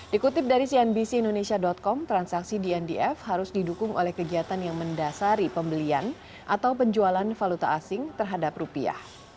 dikutip dari cnbc indonesia com transaksi dndf harus didukung oleh kegiatan yang mendasari pembelian atau penjualan valuta asing terhadap rupiah